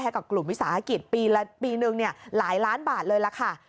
ให้กับกลุ่มวิสาหกิจปีหนึ่งหลายล้านบาทเลยล่ะค่ะ